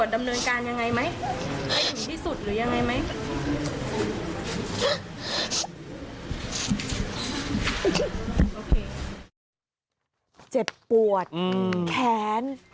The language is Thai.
เจ็บปวดแขน